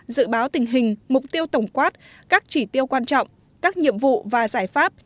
dự báo tình hình mục tiêu tổng quát các chỉ tiêu quan trọng các nhiệm vụ và giải pháp